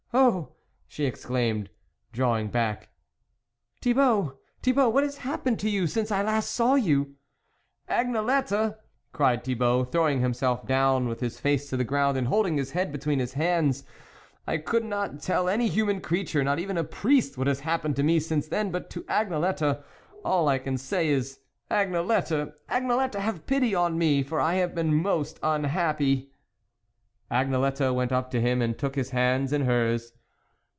" Oh !" she exclaimed, drawing back, "Thibault! Thibault! What has hap pened to you since I last saw you ?"" Agnelette !" cried Thibault throwing himself down with his face to the ground, and holding his head between his hands, " I could not tell any human creature, not even a priest what has happened to me since then ; but to Agnelette, all I can say is': Agnelette ! Agnelette ! have pity on me, for I have been most un happy !" Agnelette went up to him and took his hands in hers.